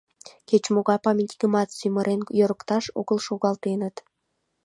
Кеч-могай памятникымат сӱмырен йӧрыкташ огыл шогалтеныт.